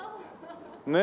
ねえ。